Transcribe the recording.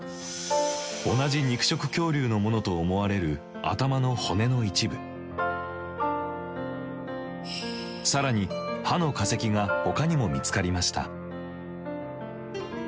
同じ肉食恐竜のものと思われる更に歯の化石がほかにも見つかりました。